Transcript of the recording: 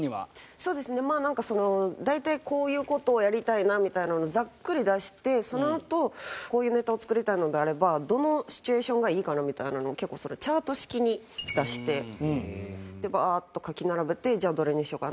そうですねまあなんかその大体こういう事をやりたいなみたいなのをざっくり出してそのあとこういうネタを作りたいのであればどのシチュエーションがいいかなみたいなのを結構それチャート式に出してでバーッと書き並べてじゃあどれにしようかな？